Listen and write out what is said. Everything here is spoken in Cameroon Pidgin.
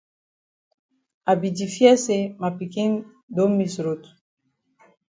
I be di fear say ma pikin don miss road.